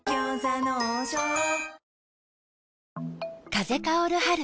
風薫る春。